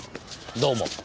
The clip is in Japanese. どうも。